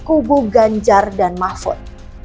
kubu ganjar dan mahfud